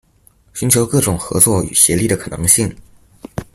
尋求各種合作與協力的可能性